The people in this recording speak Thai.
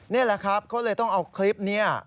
นี่อะครับเขาต้องเอาคลิปนี้